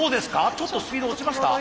ちょっとスピード落ちました？